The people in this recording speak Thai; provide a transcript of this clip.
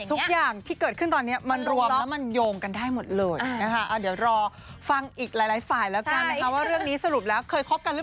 ทุกอย่างที่เกิดขึ้นตอนนี้มันรวมแล้วมันโยงกันได้หมดเลยนะคะเดี๋ยวรอฟังอีกหลายฝ่ายแล้วกันนะคะว่าเรื่องนี้สรุปแล้วเคยคบกันหรือเปล่า